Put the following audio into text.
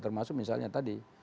termasuk misalnya tadi